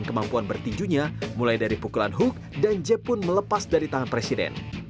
dan kemampuan bertinjunya mulai dari pukulan huk dan jeb pun melepas dari tangan presiden